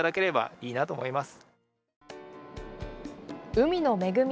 海の恵み。